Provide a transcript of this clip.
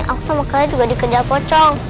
ini aku sama kalian juga dikejar pocong